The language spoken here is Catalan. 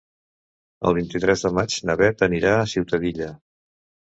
El vint-i-tres de maig na Beth anirà a Ciutadilla.